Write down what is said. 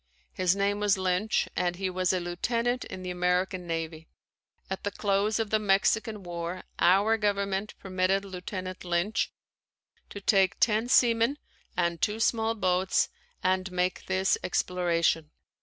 His name was Lynch and he was a lieutenant in the American Navy. At the close of the Mexican War, our Government permitted Lieutenant Lynch to take ten seamen and two small boats and make this exploration.